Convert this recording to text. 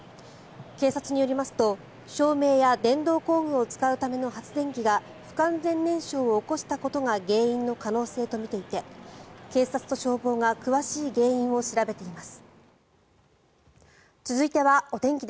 警察によりますと照明や電動工具を使うための発電機が不完全燃焼を起こしたことが原因の可能性とみていて警察と消防が詳しい原因を調べています。